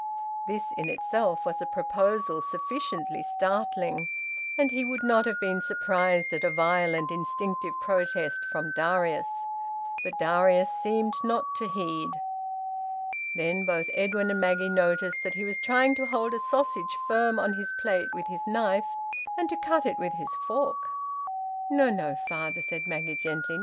This in itself was a proposal sufficiently startling, and he would not have been surprised at a violent instinctive protest from Darius; but Darius seemed not to heed. Then both Edwin and Maggie noticed that he was trying to hold a sausage firm on his plate with his knife, and to cut it with his fork. "No, no, father!" said Maggie gently.